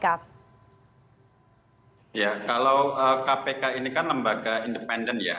ya kalau kpk ini kan lembaga independen ya